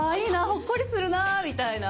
ほっこりするな」みたいな。